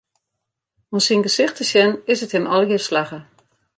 Oan syn gesicht te sjen, is it him allegear slagge.